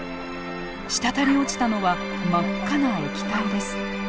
滴り落ちたのは真っ赤な液体です。